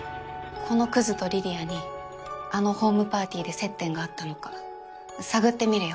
このクズと梨里杏にあのホームパーティーで接点があったのか探ってみるよ。